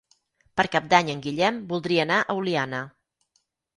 Per Cap d'Any en Guillem voldria anar a Oliana.